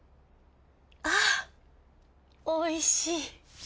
あおいしい。